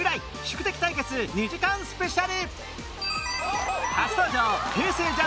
宿敵対決２時間スペシャル